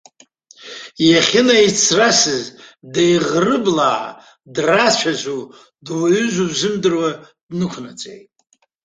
Иахьынаицрасыз, деиӷрыблаа, драцәазу, дуаҩызу узымдыруа днықәнаҵеит.